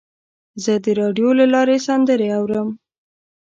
زه د راډیو له لارې سندرې اورم.